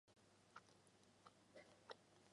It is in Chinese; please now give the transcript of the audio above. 然后玛琦听到楼下传来有打嗝声。